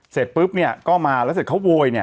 เสร็จปุ๊บก็มาแล้วเสร็จเขาโวย